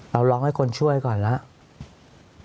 ร้องให้คนช่วยก่อนแล้ว